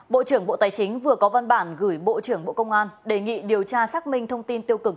bộ trưởng bộ tài chính vừa có văn bản gửi bộ trưởng bộ công an đề nghị điều tra xác minh thông tin tiêu cực